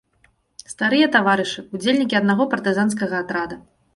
Старыя таварышы, удзельнікі аднаго партызанскага атрада.